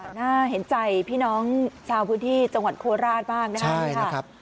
น่าเห็นใจพี่น้องชาวพื้นที่จังหวัดโคราชบ้างนะครับ